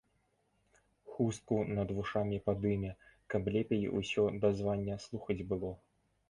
Хустку над вушамі падыме, каб лепей усё дазвання слухаць было.